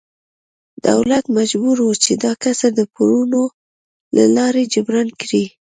دولت مجبور و چې دا کسر د پورونو له لارې جبران کړي.